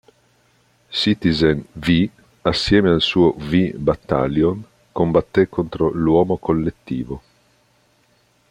Citizen V assieme al suo V-Battalion combatté contro l'Uomo Collettivo.